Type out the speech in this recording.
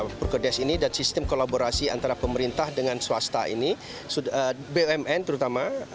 perkedes ini dan sistem kolaborasi antara pemerintah dengan swasta ini bumn terutama